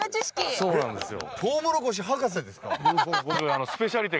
そうなんですよ。